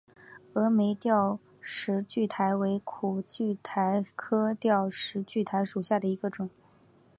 峨眉吊石苣苔为苦苣苔科吊石苣苔属下的一个种。